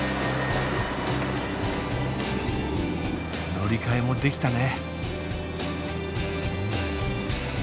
乗り換えもできたね！